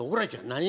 何？